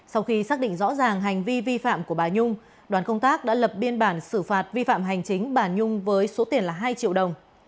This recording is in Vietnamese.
sau khi xác định rõ ràng hành vi vi phạm của bà nhung đoàn công tác đã lập biên bản xử phạt vi phạm hành chính bà nhung với số tiền là hai triệu đồng